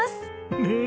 ねえ